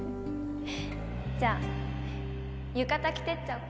じゃあ浴衣着てっちゃおっかな